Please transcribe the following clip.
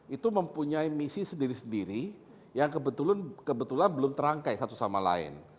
itu mempunyai misi sendiri sendiri yang kebetulan belum terangkai satu sama lain